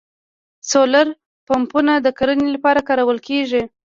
سولر پمپونه د کرنې لپاره کارول کیږي